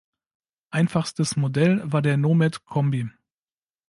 Einfachstes Modell war der Nomad-Kombi.